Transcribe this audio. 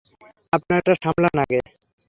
আপনারটা সামলান আগে।